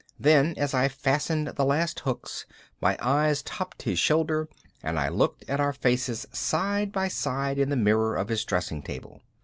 Then, as I fastened the last hooks, my eyes topped his shoulder and I looked at our faces side by side in the mirror of his dressing table.